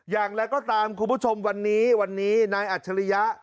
อย่างไรก็ตามคุณผู้ชมวันนี้วันนี้นายอัจฉริยะ